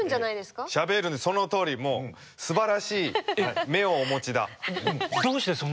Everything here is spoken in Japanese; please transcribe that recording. そのとおりもうすばらしい目をお持ちだ。